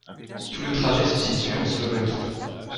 Tout le trajet se situe en Slovaquie.